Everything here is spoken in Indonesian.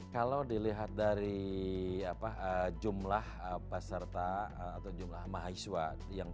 kalau dilihat dari jumlah peserta atau jumlah mahasiswa yang tersebar di empat kawasan